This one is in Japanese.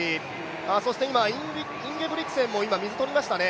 そして今、インゲブリクセンも水を取りましたね。